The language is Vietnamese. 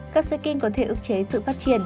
cắp sạc kênh có thể ức chế sự phát triển